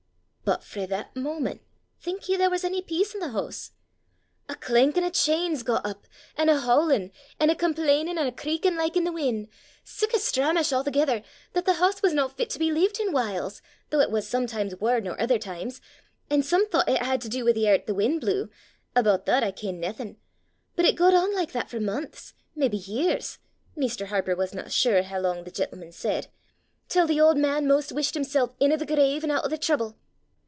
"'But frae that moment, think ye there was ony peace i' the hoose? A clankin' o' chains got up, an' a howlin', an' a compleenin' an' a creakin' like i' the win' sic a stramash a'thegither, that the hoose was no fit to be leevit in whiles, though it was sometimes waur nor ither times, an' some thoucht it had to do wi' the airt the win' blew: aboot that I ken naething. But it gaed on like that for months, maybe years,' Mr. Harper wasna sure hoo lang the gentleman said 'till the auld man 'maist wished himsel' in o' the grave an' oot o' the trouble.